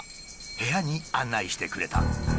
部屋に案内してくれた。